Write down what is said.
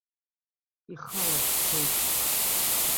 Ихала дцоит.